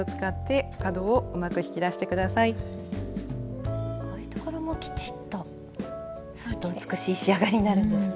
こういうところもきちっとすると美しい仕上がりになるんですね。